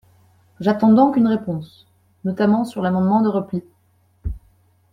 J’attends donc une réponse, notamment sur l’amendement de repli.